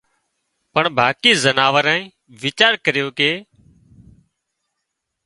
پڻ باقي زناوارنئي ويچار ڪريو ڪي